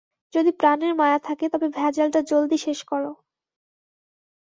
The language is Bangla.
যদি প্রাণের মায়া থাকে, তবে ভ্যাজালটা জলদি শেষ করো।